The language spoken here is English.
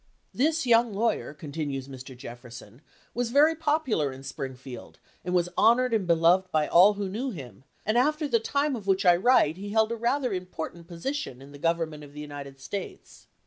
This young lawyer [continues Mr. Jefferson] was very popular in Springfield and was honored and beloved by all who knew him, and after the time of which I write he held a rather important position in the government of the United States.